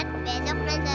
besok berjaya terusnya